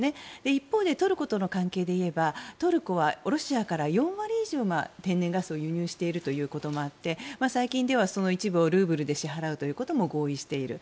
一方、トルコとの関係でいえばトルコはロシアから４割以上天然ガスを輸入しているということもあって最近ではその一部をルーブルで支払うということも合意している。